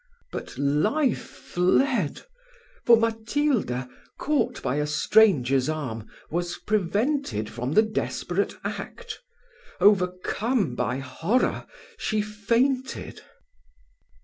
But life fled; for Matilda, caught by a stranger's arm, was prevented from the desperate act. Overcome by horror, she fainted.